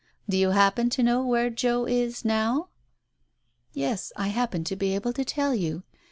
Do you happen to know where Joe is, now ?" "Yes, I happen to be able to tell you.